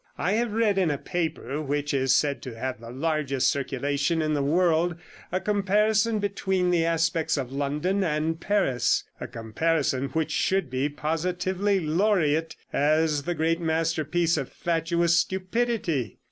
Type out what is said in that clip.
I have read in a paper, which is said to have the largest circulation in the world, a comparison between the aspects of London and Paris, a comparison which should be positively laureate as the great masterpiece of fatuous stupidity.